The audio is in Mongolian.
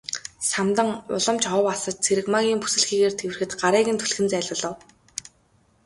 Самдан улам ч ов асаж Цэрэгмаагийн бүсэлхийгээр тэврэхэд гарыг нь түлхэн зайлуулав.